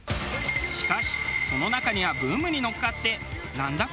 しかしその中にはブームに乗っかってなんだ？